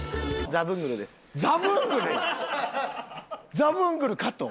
ザブングル加藤？